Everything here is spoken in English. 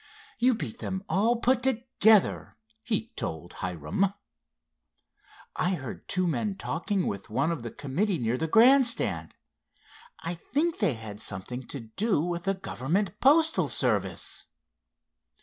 "You beat them all put together," he told Hiram. "I heard two men talking with one of the committee near the grand stand. I think they had something to do with the government postal service."